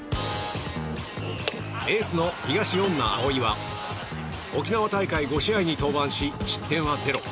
エースの東恩納蒼は沖縄大会５試合に登板し失点はゼロ。